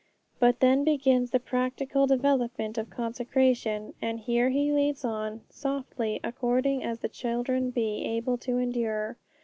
But then begins the practical development of consecration. And here He leads on 'softly, according as the children be able to endure.'